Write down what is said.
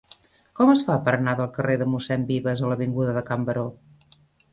Com es fa per anar del carrer de Mossèn Vives a l'avinguda de Can Baró?